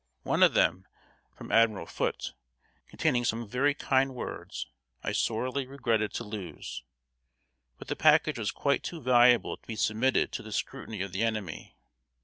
One of them, from Admiral Foote, containing some very kind words, I sorely regretted to lose; but the package was quite too valuable to be submitted to the scrutiny of the enemy.